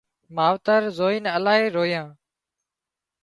ماوتر زوئينَ الاهي رويان